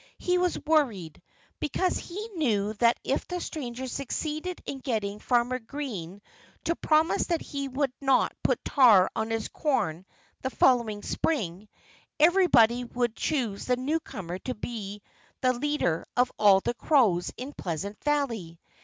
He was worried, because he knew that if the stranger succeeded in getting Farmer Green to promise that he would not put tar on his corn the following spring, everybody would choose the newcomer to be the leader of all the crows in Pleasant Valley.